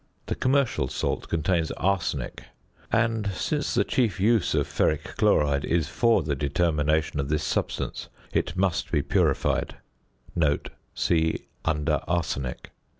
The commercial salt contains arsenic, and, since the chief use of ferric chloride is for the determination of this substance, it must be purified (see under ARSENIC).